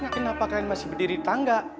eh pak kenapa kalian masih berdiri di tangga